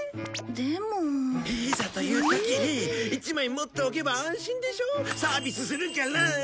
いざという時に１枚持っておけば安心でしょ？サービスするから。